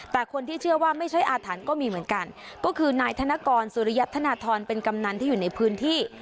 แต่คนที่เชื่อว่าไม่ใช่อาถรรพ์ก็มีเหมือนกันก็คือนายธนกรสุริยธนทรเป็นกำนันที่อยู่ในพื้นที่